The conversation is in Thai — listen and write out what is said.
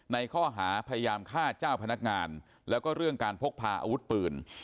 ในข้อหาพยายามฆ่าเจ้าพนักงานแล้วก็เรื่องการพกพาอาวุธปืน